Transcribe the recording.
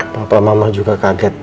papa mama juga kaget